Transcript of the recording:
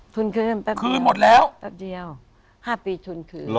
ทุนคืนปั๊บเดียว๕ปีทุนคืน